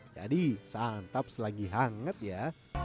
jadi santaps lagi hangat ya